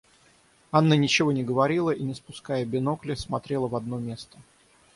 Анна ничего не говорила и, не спуская бинокля, смотрела в одно место.